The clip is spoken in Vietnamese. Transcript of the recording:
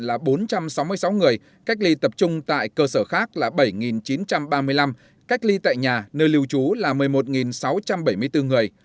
là bốn trăm sáu mươi sáu người cách ly tập trung tại cơ sở khác là bảy chín trăm ba mươi năm cách ly tại nhà nơi lưu trú là một mươi một sáu trăm bảy mươi bốn người